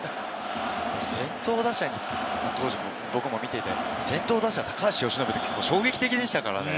先頭打者に当時、僕も見ていて先頭打者・高橋由伸って衝撃的でしたからね。